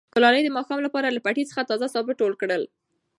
ګلالۍ د ماښام لپاره له پټي څخه تازه سابه ټول کړل.